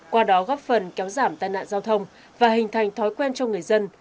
qua đó góp phần kéo giảm tai nạn giao thông và hình thành thói quen cho người dân